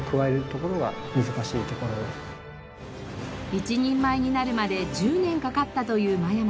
一人前になるまで１０年かかったという眞山さん。